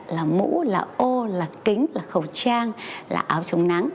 là mũ là ô là kính là khẩu trang là áo chống nắng